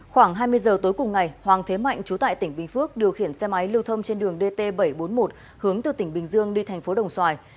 khoảng hai mươi giờ tối cùng ngày hoàng thế mạnh chú tại tỉnh bình phước điều khiển xe máy lưu thông trên đường dt bảy trăm bốn mươi một hướng từ tỉnh bình dương đi thành phố đồng xoài